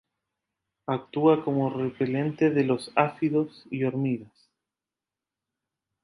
Actúa como repelente de los áfidos y hormigas.